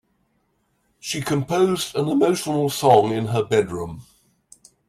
She composed an emotional song in her bedroom.